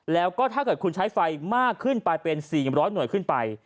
แล้วก็ถ้าเกิดคุณใช้ไฟมากขึ้นไปเป็น๔๐๐หน่วยขึ้นไป